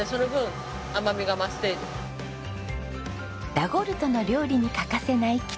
ラゴルトの料理に欠かせないキタアカリ。